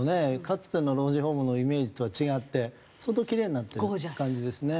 かつての老人ホームのイメージとは違って相当キレイになってる感じですね。